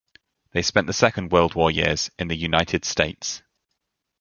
They spent the Second World War years in the United States.